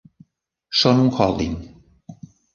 Són un holding.